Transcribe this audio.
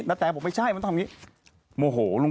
หน้าจอกับหลังจร